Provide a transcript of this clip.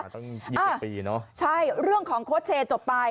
ต้องยิ่งกันปีเนอะใช่เรื่องของโค้ดเช่จบไป